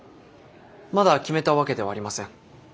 まだ決めたわけではありません。